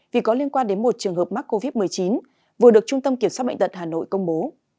vì có liên quan đến một trường hợp mắc covid một mươi chín vừa được trung tâm kiểm soát bệnh tật hà nội công bố